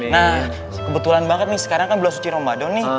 nah kebetulan banget nih sekarang kan bulan suci ramadan nih